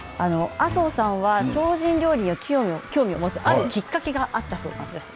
麻生さんは精進料理に興味を持つきっかけがあったそうです。